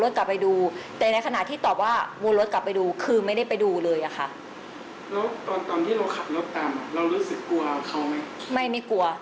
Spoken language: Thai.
ทำไมเราไม่ได้อยากตามเหมือนกัน